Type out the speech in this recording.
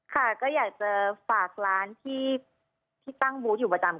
ค่ะก็อยากจะฝากร้านที่ตั้งบูธอยู่ประจำ